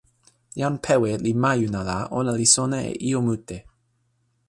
jan Pewe li majuna la ona li sona e ijo mute.